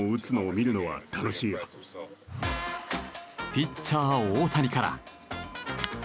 ピッチャー大谷から。